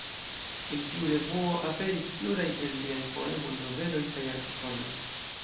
En tiu revuo aperis pluraj el liaj poemoj, noveloj kaj artikoloj.